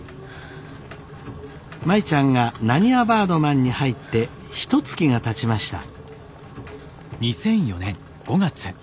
舞ちゃんがなにわバードマンに入ってひとつきがたちました。